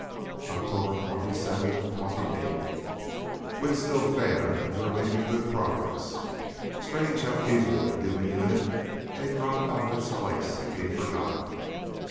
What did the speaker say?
October 27, 28. Wind still fair, and we are making good progress. Strange how easily a human unit may drop out of its place and be forgotten!